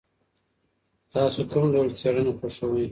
تاسو کوم ډول څېړنه خوښوئ؟